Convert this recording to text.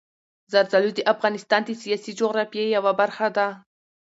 زردالو د افغانستان د سیاسي جغرافیې یوه برخه ده.